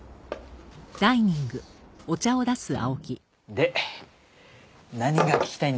で何が聞きたいんですか？